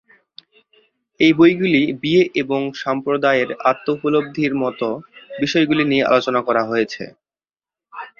এই বইগুলি বিয়ে এবং সম্প্রদায়ের আত্ম-উপলব্ধির মত বিষয়গুলি নিয়ে আলোচনা করা হয়েছে।